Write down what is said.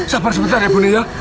sabar sebentar ya bu nek ya